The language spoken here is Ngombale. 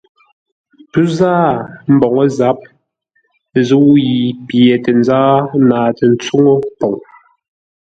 Pə́ záa mboŋə́ zâp ə́ zə̂u yi pye tə nzáa naatə́ tsuŋə́ poŋ.